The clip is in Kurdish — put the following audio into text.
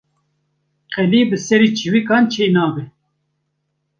Qelî bi serê çîvikan çê nabe